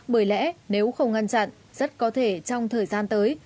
bởi lẽ nếu không ngăn chặn rất có thể trong thời gian tới